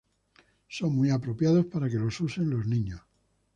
Son muy apropiados para que los usen los niños.